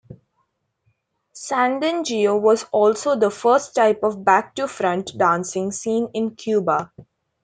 Sandungueo was also the first type of back-to-front dancing seen in Cuba.